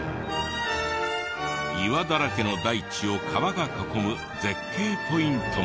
岩だらけの大地を川が囲む絶景ポイントも。